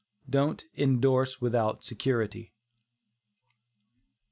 DON'T INDORSE WITHOUT SECURITY.